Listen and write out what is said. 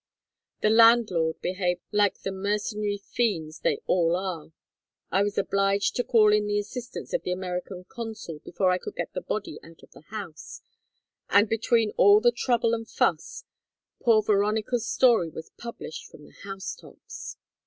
The landlord behaved like the mercenary fiends they all are; I was obliged to call in the assistance of the American consul before I could get the body out of the house, and between all the trouble and fuss poor Veronica's story was published from the house tops.